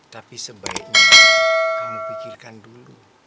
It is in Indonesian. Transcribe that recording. tapi sebaiknya kami pikirkan dulu